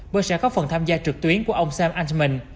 bởi sẽ có phần tham gia trực tuyến của ông sam anton